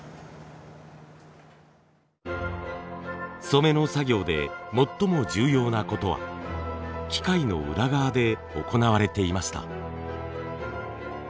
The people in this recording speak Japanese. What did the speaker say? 染めの作業で最も重要なことは機械の裏側で行われていました。